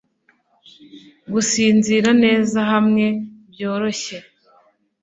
gusinzira neza hamwe byoroshye